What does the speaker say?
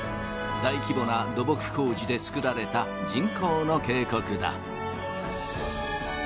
大規模な土木工事で造られた人工の渓谷だ。